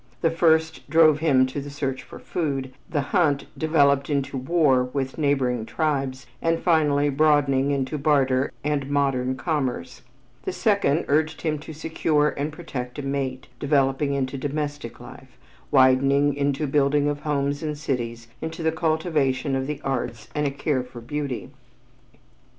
The first drove him to the search for food, the hunt developing into war with neighboring tribes and finally broadening into barter and modern commerce; the second urged him to secure and protect a mate, developing into domestic life, widening into the building of homes and cities, into the cultivation of the arts and a care for beauty.